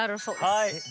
はい。